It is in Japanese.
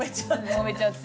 もめちゃって。